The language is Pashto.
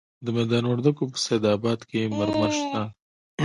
د میدان وردګو په سید اباد کې مرمر شته.